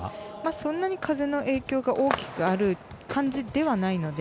そんなに風の影響が大きくある感じではないので